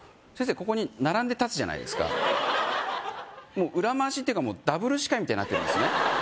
ここに並んで立つじゃないですかもう裏回しっていうかもうダブル司会みたいになってるんですね